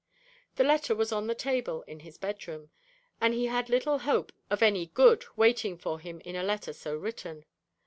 The letter was on the table in his bedroom. He had little hope of any good waiting for him in a letter so written.